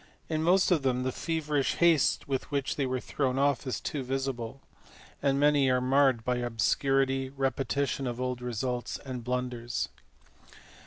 In most of them the feverish haste with which they were thrown off is too visible ; and many are marred by obscurity, repetition of old results, and blunders.